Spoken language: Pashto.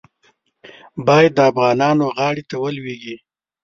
باید د افغانانو غاړې ته ولوېږي.